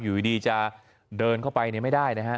อยู่ดีจะเดินเข้าไปไม่ได้นะฮะ